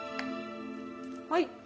はい。